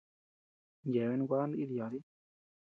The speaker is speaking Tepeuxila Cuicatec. Yeabean gua naídii yádii.